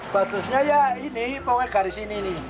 patusnya ya ini pokoknya garis ini ini